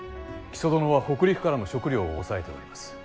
木曽殿は北陸からの食糧を押さえております。